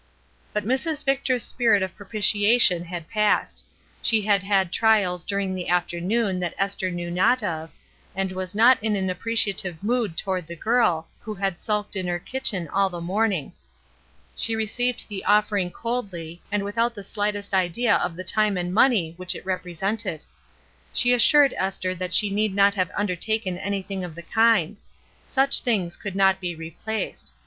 But Mrs. Victor's spirit of propitiation had passed ; she had had trials during the afternoon that Esther knew not of, and was not in an appreciative mood toward the girl, who had sulked in her kitchen all the morning. She received the offering coldly and without the slightest idea of the time and money which it represented. She assured Esther that she need not have undertaken anything of the kind. Such things could not be replaced.